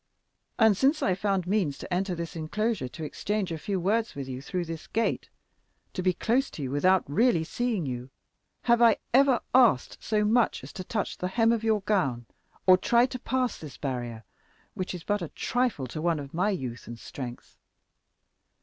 And since I found means to enter this enclosure to exchange a few words with you through this gate—to be close to you without really seeing you—have I ever asked so much as to touch the hem of your gown or tried to pass this barrier which is but a trifle to one of my youth and strength?